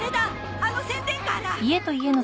あの宣伝カーだ！